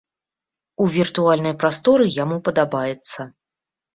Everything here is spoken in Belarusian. У віртуальнай прасторы яму падабаецца.